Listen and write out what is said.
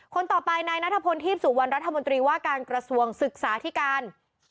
คนต่อไปนายนาธพนธิพย์สู่วันรัฐมนตรีว่าการกระทรวงศึกษาที่การ